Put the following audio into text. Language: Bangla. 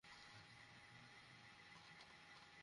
ভয় পাস না।